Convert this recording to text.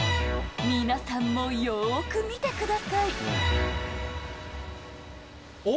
皆さんもよーく見てください。